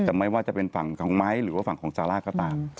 แต่ไม่ว่าจะเป็นฝั่งของไม้หรือว่าฝั่งของซาร่าก็ตาม